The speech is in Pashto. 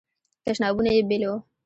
تشنابونه یې بیل وو.